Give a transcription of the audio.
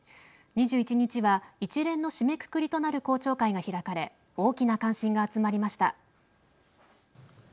２１日は一連の締めくくりとなる公聴会が開かれ大きな関心が集まりました。